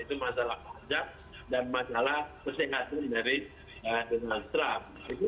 itu masalah pajak dan masalah kesehatan dari donald trump